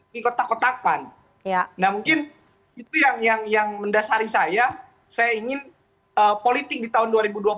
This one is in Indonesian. dikotak kotakan nah mungkin itu yang yang mendasari saya saya ingin politik di tahun dua ribu dua puluh empat